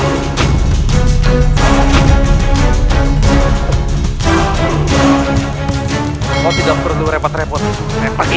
kalau tidak perlu repot repot repotin